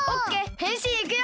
へんしんいくよ！